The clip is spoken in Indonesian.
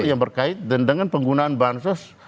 yang berkait dengan penggunaan bansos